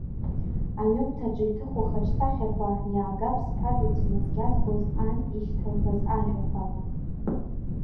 Аҩымҭаҿы иҭыху ахаҿсахьақәа иаагап зԥазаҵә днаскьазгоз ан ишьҭалҳәоз ажәақәа…